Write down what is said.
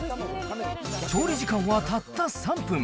調理時間はたった３分。